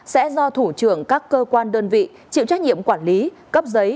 sẽ do thủ trưởng các cơ quan đơn vị chịu trách nhiệm quản lý cấp giấy